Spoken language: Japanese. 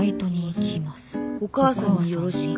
「お母さんによろしく。